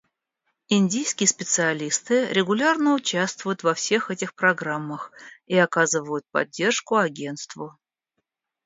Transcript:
Индийские специалисты регулярно участвуют во всех этих программах и оказывают поддержку Агентству.